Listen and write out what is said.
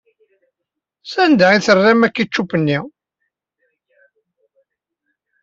Sanda ay terramt akičup-nni?